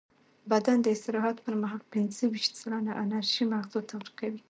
بدن د استراحت پر مهال پینځهویشت سلنه انرژي مغزو ته ورکوي.